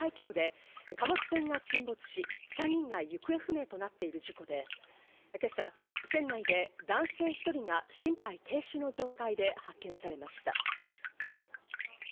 愛媛県今治市沖の来島海峡で貨物船が沈没し３人が行方不明となっている事故で、今朝、船内で男性１人が心肺停止の状態で発見されました。